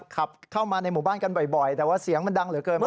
ขับเข้ามาในหมู่บ้านกันบ่อยแต่ว่าเสียงมันดังเหลือเกิน